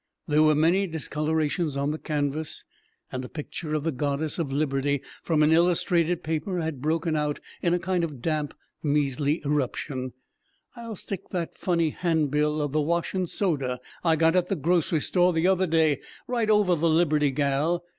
There were many discolorations on the canvas, and a picture of the Goddess of Liberty from an illustrated paper had broken out in a kind of damp, measly eruption. "I'll stick that funny handbill of the 'Washin' Soda' I got at the grocery store the other day right over the Liberty gal.